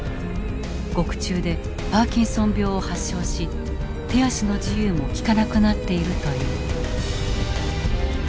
獄中でパーキンソン病を発症し手足の自由もきかなくなっているという。